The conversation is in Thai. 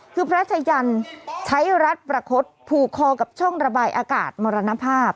คือพระชะยันใช้รัฐประคดผูกคอกับช่องระบายอากาศมรณภาพ